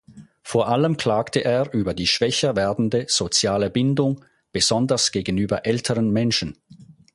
Vor allem klagte er über die schwächer werdende soziale Bindung, besonders gegenüber älteren Menschen.